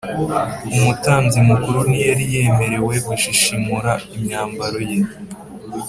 umutambyi mukuru ntiyari yemerewe gushishimura imyambaro ye